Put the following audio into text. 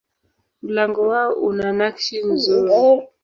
Mlango wao una nakshi nzuri